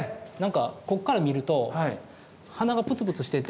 こっから見ると鼻がプツプツしてて。